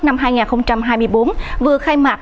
năm hai nghìn hai mươi bốn vừa khai mạc